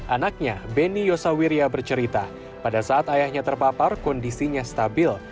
anaknya beni yosawirya bercerita pada saat ayahnya terpapar kondisinya stabil